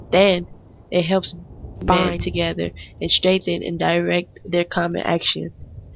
Then it helps to bind men together, and to strengthen and direct their common action.